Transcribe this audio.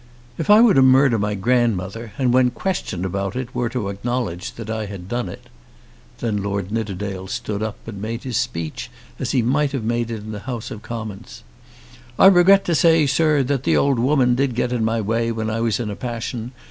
If I were to murder my grandmother, and when questioned about it were to acknowledge that I had done it " Then Lord Nidderdale stood up and made his speech as he might have made it in the House of Commons. "'I regret to say, sir, that the old woman did get in my way when I was in a passion.